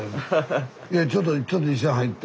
いやちょっとちょっと一緒に入って。